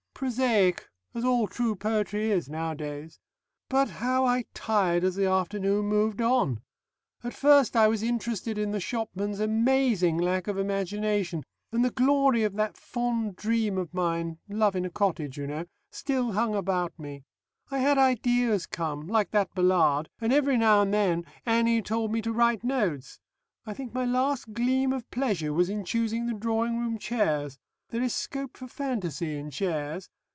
_' "Prosaic! As all true poetry is, nowadays. But, how I tired as the afternoon moved on! At first I was interested in the shopman's amazing lack of imagination, and the glory of that fond dream of mine love in a cottage, you know still hung about me. I had ideas come like that Ballade and every now and then Annie told me to write notes. I think my last gleam of pleasure was in choosing the drawing room chairs. There is scope for fantasy in chairs.